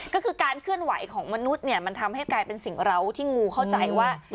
ก็คือการเคลื่อนไหวของมนุษย์เนี่ยมันทำให้กลายเป็นสิ่งเหล้าที่งูเข้าใจว่า